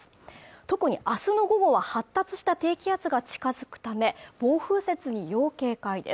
特にあすの午後は発達した低気圧が近づくため暴風雪に要警戒です